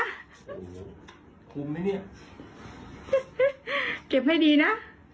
เก็บให้ดีนะ